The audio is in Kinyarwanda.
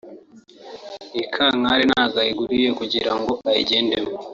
Iyi kankari ntabwo ayiguriye kugirango ayigendemo